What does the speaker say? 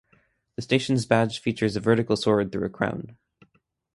The station's badge features a vertical sword through a crown.